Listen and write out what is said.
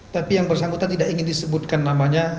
tapi yang bersangkutan tidak ingin disebutkan namanya